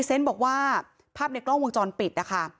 เซนต์บอกว่าภาพในกล้องวงจรปิดนะคะ